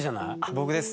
僕です。